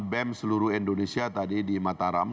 bem seluruh indonesia tadi di mataram